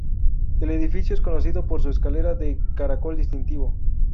El edificio es conocido por su escalera de caracol distintivo.